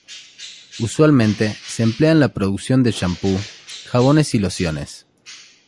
Usualmente se emplea en la producción de champú, jabones y lociones.